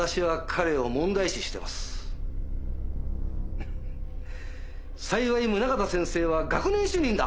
フッ幸い宗方先生は学年主任だ。